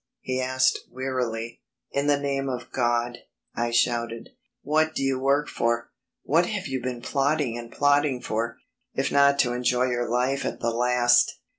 he asked wearily. "In the name of God," I shouted, "what do you work for what have you been plotting and plotting for, if not to enjoy your life at the last?"